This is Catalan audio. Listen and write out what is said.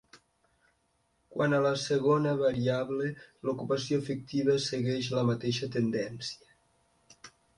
Quant a la segona variable, l’ocupació efectiva segueix la mateixa tendència.